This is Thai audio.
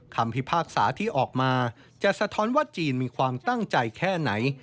พิพากษาที่ออกมาจะสะท้อนว่าจีนมีความตั้งใจแค่ไหน